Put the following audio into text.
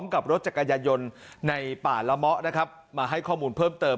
กับรถจักรยายนต์ในป่าละเมาะนะครับมาให้ข้อมูลเพิ่มเติม